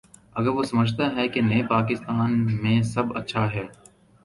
اگر وہ سمجھتا ہے کہ نئے پاکستان میں سب اچھا ہے۔